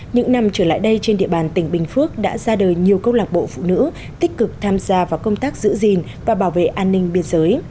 những năm trở lại đây trên địa bàn tỉnh bình phước đã ra đời nhiều công lạc bộ phụ nữ tích cực tham gia vào công tác giữ gìn và bảo vệ an ninh biên giới